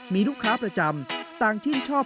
มีลูกค้าประจำต่างชื่นชอบ